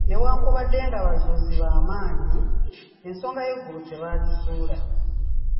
Newankubadde nga bazuuzi ba maanyi, ensonga y'eggulu tebaagizuula.